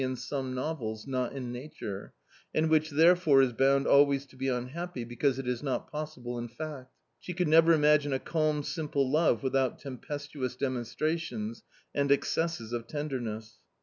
in some novels, not in nature, and which therefore is bound ■ always to be unhappy because it is not possible in fact. I She could never imagine a calm simple love without tem pestuous demonstrations and excesses of tenderness.